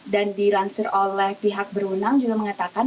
dan diransir oleh pihak berwenang juga mengatakan